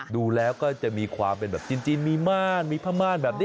ดูแล้วก็จะมีความเป็นแบบจีนมีม่านมีผ้าม่านแบบนี้